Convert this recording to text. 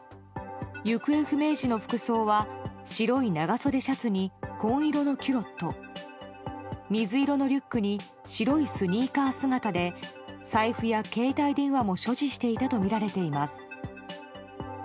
行方不明時の服装は白い長袖シャツに紺色のキュロット水色のリュックに白いスニーカー姿で財布や携帯電話も所持していたとみられています。